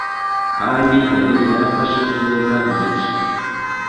kandi yari yarafashe neza igice